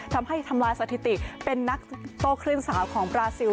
ทำลายสถิติเป็นนักโต้คลื่นสาวของบราซิล